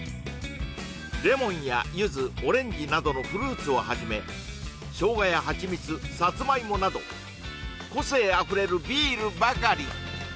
レモンやゆずオレンジなどのフルーツをはじめしょうがやはちみつさつまいもなど個性あふれるビールばかり！